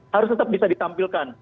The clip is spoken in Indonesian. harus tetap bisa ditampilkan